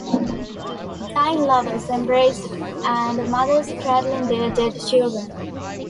Dying lovers embrace and mothers cradling their dead children.